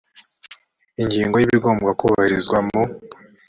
ingingo ya ibigomba kubahirizwa mu